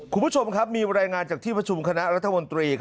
คุณผู้ชมครับมีรายงานจากที่ประชุมคณะรัฐมนตรี